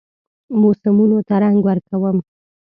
موسمونو ته رنګ ورکوم